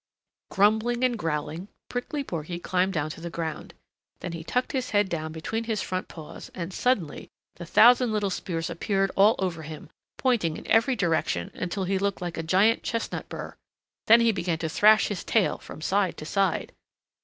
Grumbling and growling, Prickly Porky climbed down to the ground. Then he tucked his head down between his front paws and suddenly the thousand little spears appeared all over him, pointing in every direction until he looked like a giant chestnut burr. Then he began to thrash his tail from side to side.